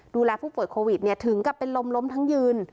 ดูแลผู้ป่วยโควิดถึงกับเป็นลมล้มทั้งยืน